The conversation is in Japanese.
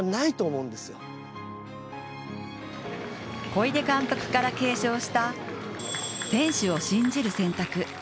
小出監督から継承した選手を信じる選択。